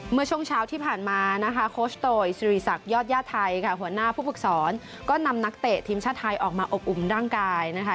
เมื่อช่วงเช้าที่ผ่านมานะคะโคชโตยสิริษักยอดย่าไทยค่ะหัวหน้าผู้ฝึกศรก็นำนักเตะทีมชาติไทยออกมาอบอุ่มร่างกายนะคะ